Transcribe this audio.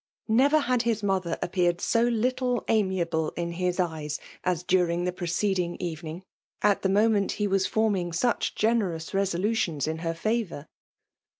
Never had his mother appeared so little amiable in Ms eyes as during the preceding evening, at the moment he was forming such generous resolutions in her fitvour.